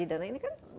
ini kan jadi challenge